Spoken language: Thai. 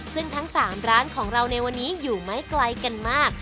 ซึ่งทั้ง๓ร้านของเราในวันนี้อยู่ไม่ไกลกันมาก